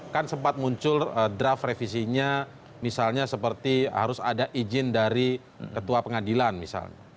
kan sempat muncul draft revisinya misalnya seperti harus ada izin dari ketua pengadilan misalnya